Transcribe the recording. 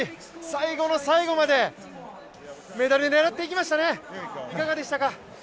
最後の最後までメダルを狙っていきましたね、いかがでしたか。